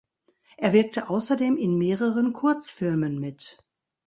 Er wirkte außerdem in mehreren Kurzfilmen mit.